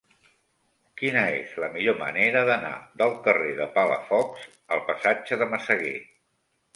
Quina és la millor manera d'anar del carrer de Palafox al passatge de Massaguer?